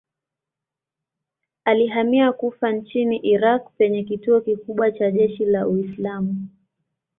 Alihamia Kufa nchini Irak penye kituo kikubwa cha jeshi la Uislamu.